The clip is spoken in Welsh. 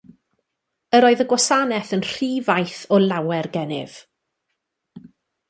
Yr oedd y gwasanaeth yn rhy faith o lawer gennyf.